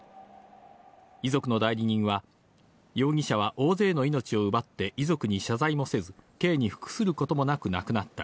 遺族の代理人は、容疑者は大勢の命を奪って遺族に謝罪もせず、刑に服することもなく亡くなった。